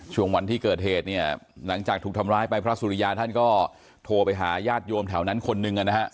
ช่วงวันที่เกิดเหตุเนี่ยหลังจากถูกทำร้ายไปพระสุริยาท่านก็โทรไปหาญาติโยมแถวนั้นคนหนึ่งนะฮะ